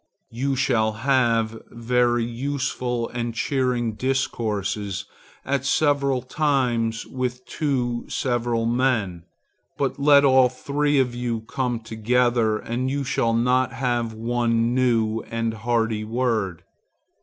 You shall have very useful and cheering discourse at several times with two several men, but let all three of you come together and you shall not have one new and hearty word.